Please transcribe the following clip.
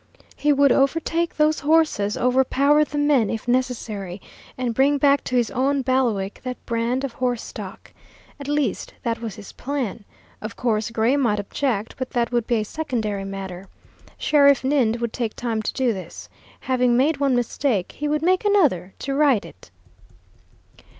He would overtake those horses, overpower the men if necessary, and bring back to his own bailiwick that brand of horse stock. At least, that was his plan. Of course Gray might object, but that would be a secondary matter. Sheriff Ninde would take time to do this. Having made one mistake, he would make another to right it.